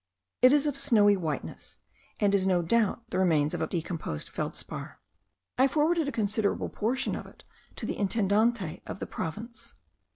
It is of snowy whiteness, and is no doubt the remains of a decomposed feldspar. I forwarded a considerable portion of it to the intendant of the province.